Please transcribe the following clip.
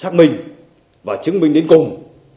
xác minh và chứng minh đến cùng